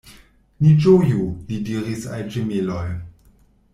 Ni ĝoju, li diris al ĝemeloj.